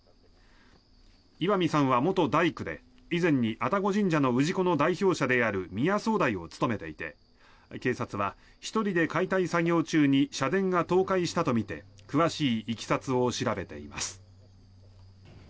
石見さんは元大工で以前に愛宕神社の氏子の代表者である宮総代を務めていて警察は１人で解体作業中に社殿が倒壊したとみて詳しいいきさつを調べています。